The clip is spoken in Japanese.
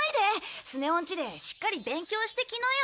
スネ夫ん家でしっかり勉強してきなよ。